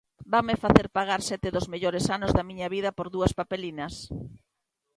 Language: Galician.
Vanme facer pagar sete dos mellores anos da miña vida por dúas papelinas!